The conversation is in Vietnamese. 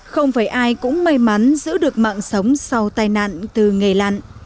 không phải ai cũng may mắn giữ được mạng sống sau tai nạn từ nghề lặn